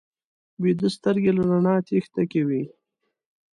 ویده سترګې له رڼا تېښته کوي